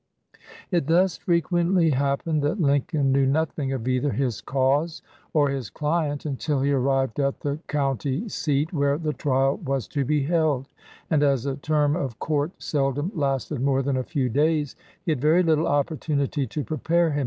It thus frequently happened that Lincoln knew nothing of either his cause or his client until he arrived at the county seat where the trial was to be held, and as a term of court seldom lasted more than a few days, he had very little opportunity to pre pare himself.